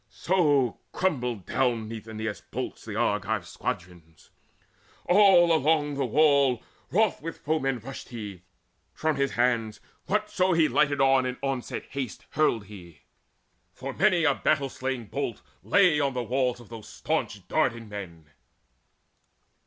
So crumbled down beneath Aeneas' bolts The Argive squadrons. All along the wall Wroth with the foeman rushed he: from his hands Whatso he lighted on in onslaught haste Hurled he; for many a battle staying bolt Lay on the walls of those staunch Dardan men.